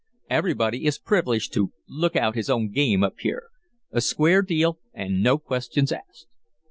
Everybody is privileged to 'look out' his own game up here. A square deal an' no questions asked."